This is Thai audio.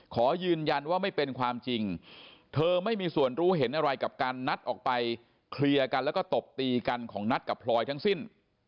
ขอยืนยันว่าไม่เป็นความจริงเธอไม่มีส่วนรู้เห็นอะไรกับการนัดออกไปเคลียร์กันแล้วก็ตบตีกันของนัทกับพลอยทั้งสิ้น